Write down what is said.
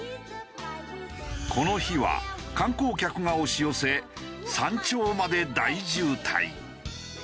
この日は観光客が押し寄せ山頂まで大渋滞。